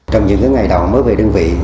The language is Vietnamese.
trong những ngày đầu mới về đơn vị